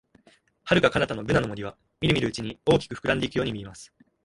遥か彼方のブナの森は、みるみるうちに大きく膨らんでいくように見えます。